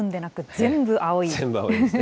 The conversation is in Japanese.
全部青いですね。